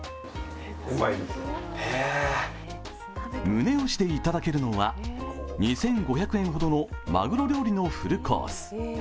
宗よしでいただけるのは２５００円ほどのまぐろ料理のフルコース。